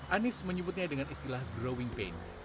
anies menyebutnya dengan istilah growing pain